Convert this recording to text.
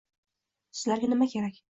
Sizlarga nima kerak